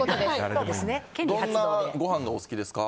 どんなごはんがお好きですか？